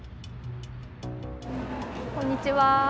こんにちは。